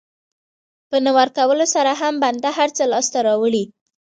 په نه ورکولو سره هم بنده هر څه لاسته راوړي.